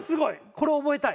これ覚えたい。